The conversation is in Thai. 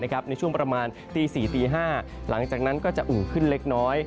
ในช่วงประมาณตี๔ตี๕หลังจากนั้นก็จะอุ่มขึ้นเล็กน้อย